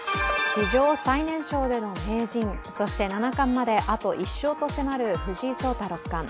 史上最年少での名人、そして七冠まであと１勝と迫る藤井聡太六冠。